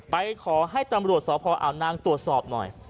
ไปขอให้ตำรวจส่งโรงพักษณ์อ่านางตรวจสอบหน่อย